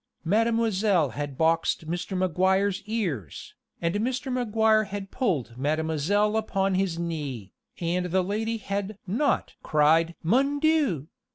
Mademoiselle had boxed Mr. Maguire's ears, and Mr. Maguire had pulled Mademoiselle upon his knee, and the lady had not cried Mon Dieu!